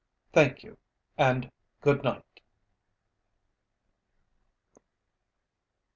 Thank you and good night.